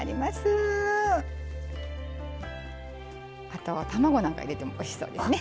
あと卵なんか入れてもおいしそうですね。